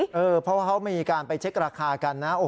เพราะว่าเขามีการไปเช็คราคากันนะ